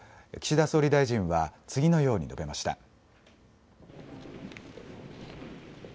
岸田総理大臣は次のように述べました。